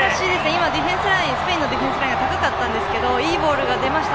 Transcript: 今、スペインのディフェンスラインが高かったんですがいいボールが出ました。